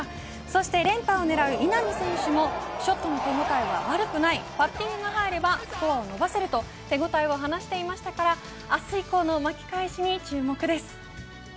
そして連覇を狙う稲見選手もショットの手応えは悪くないパッティングが入ればスコアを伸ばせると手応えを話していましたが明日以降の巻き返しに注目です。